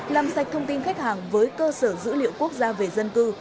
làm sạch thông tin khách hàng với cơ sở dữ liệu quốc gia về dân cư